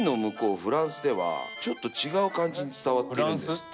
フランスではちょっと違う感じに伝わっているんですって。